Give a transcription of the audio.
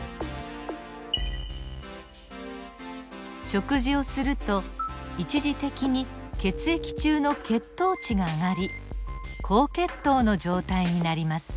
食事をすると一時的に血液中の血糖値が上がり高血糖の状態になります。